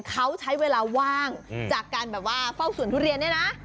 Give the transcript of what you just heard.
เขาใช้เวลาว่างจากการแบบว่าเฝ้าสวนทุเรียนเนี่ยนะ